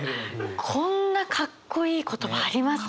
こんなかっこいい言葉ありますか？